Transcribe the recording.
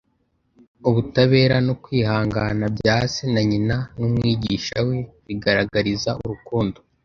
ubutabera no kwihangana bya se na nyina n’umwigisha we bigaragariza urukundo